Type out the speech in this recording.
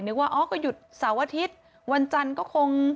ว่าอ๋อก็หยุดเสาร์อาทิตย์วันจันทร์ก็คง